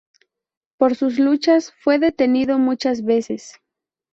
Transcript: Por sus luchas fue detenido muchas veces.